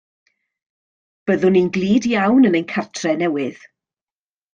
Byddwn ni yn glyd iawn yn ein cartref newydd.